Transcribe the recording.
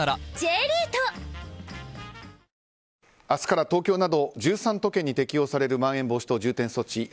明日から東京など１３都県に適用されるまん延防止等重点措置。